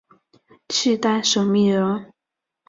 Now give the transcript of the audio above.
契丹审密人。